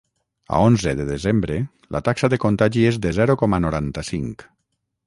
A onze de desembre, la taxa de contagi és de zero coma noranta-cinc.